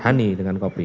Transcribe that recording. hani dengan kopi